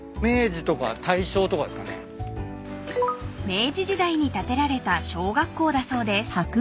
［明治時代に建てられた小学校だそうです］